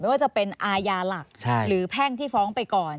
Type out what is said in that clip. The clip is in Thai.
ว่าจะเป็นอาญาหลักหรือแพ่งที่ฟ้องไปก่อน